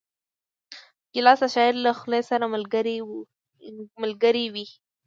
ګیلاس د شاعر له خولې سره ملګری وي.